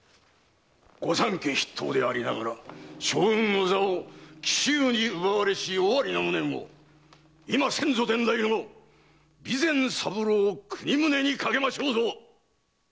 御三家筆頭でありながら将軍の座を紀州に奪われし尾張の無念を今先祖伝来の備前三郎国宗に賭けましょうぞ！